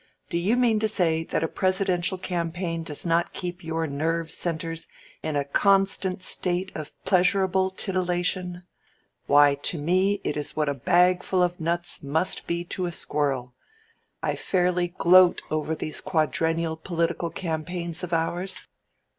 "Do you mean to say that a Presidential campaign does not keep your nerve centres in a constant state of pleasurable titillation? Why, to me it is what a bag full of nuts must be to a squirrel. I fairly gloat over these quadrennial political campaigns of ours.